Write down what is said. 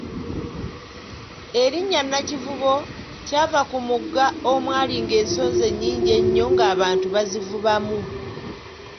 Erinnya Nakivubo kyava ku mugga omwalinga ensonzi ennyingi ennyo ng'abantu bazivubamu.